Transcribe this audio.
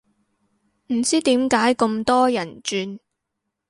唔知點解咁多人轉